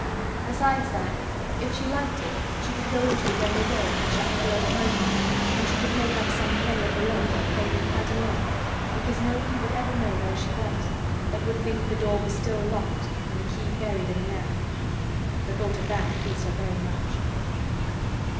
Besides that, if she liked it she could go into it every day and shut the door behind her, and she could make up some play of her own and play it quite alone, because nobody would ever know where she was, but would think the door was still locked and the key buried in the earth. The thought of that pleased her very much.